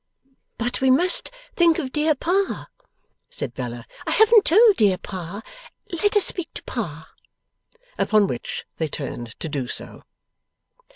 'But we must think of dear Pa,' said Bella; 'I haven't told dear Pa; let us speak to Pa.' Upon which they turned to do so.